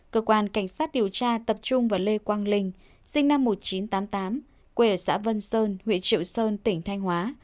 cơ quan cảnh sát điều tra tập trung vào lê quang linh sinh năm một nghìn chín trăm tám mươi tám quê ở xã vân sơn huyện triệu sơn tỉnh thanh hóa